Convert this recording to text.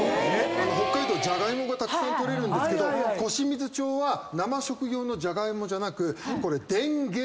北海道ジャガイモがたくさん取れるんですけど小清水町は生食用のジャガイモじゃなくこれ。